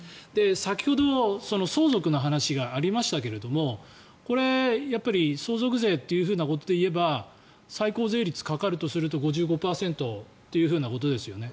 先ほど、相続の話がありましたがこれ、相続税ということでいえば最高税率かかるとすると５５％ということですよね。